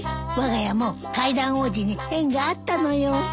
わが家も階段王子に縁があったのよ。